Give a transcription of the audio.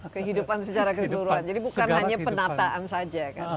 kehidupan secara keseluruhan jadi bukan hanya penataan saja kan